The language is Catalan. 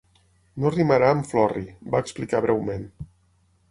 "No rimarà amb Florrie", va explicar breument.